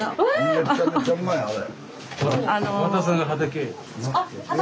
めちゃめちゃうまいあれ。